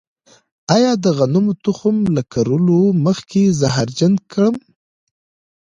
آیا د غنمو تخم له کرلو مخکې زهرجن کړم؟